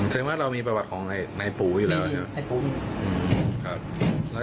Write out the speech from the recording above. ถึงว่าเรามีประวัติของนายปูอีกแล้วใช่ไหม